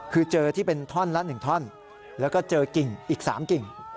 คือเจอที่เป็นท่อนละ๑ท่อนแล้วก็เจอกิ่งอีก๓กิ่ง